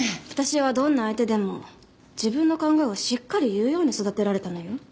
私はどんな相手でも自分の考えをしっかり言うように育てられたのよ。